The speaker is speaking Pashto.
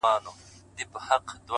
ښه تصمیمات روښانه راتلونکی جوړوي,